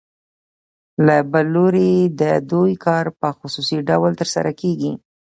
له بل لوري د دوی کار په خصوصي ډول ترسره کېږي